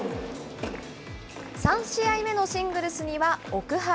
３試合目のシングルスには奥原。